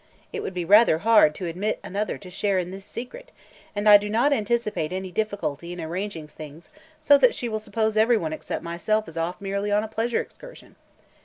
It would be rather hard to admit another to share in this secret, and I do not anticipate any difficulty in arranging things so that she will suppose every one except myself is off merely on a pleasure excursion.